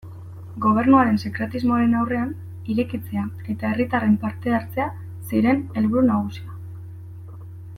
Gobernuaren sekretismoaren aurrean, irekitzea eta herritarren parte-hartzea ziren helburu nagusiak.